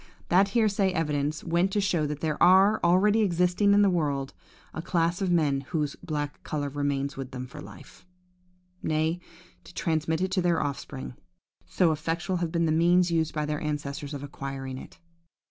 That hearsay evidence went to show that there are, already existing in the world, a class of men whose black colour remains with them for life,–nay, who transmit it to their offspring, so effectual have been the means used by their ancestors in acquiring it!